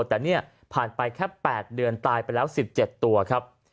แต่เนี่ยผ่านไปแค่๘เดือนตายไปแล้ว๑๗ตัวครับ